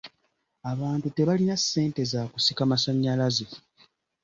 Abantu tebalina ssente za kusika masannyalaze.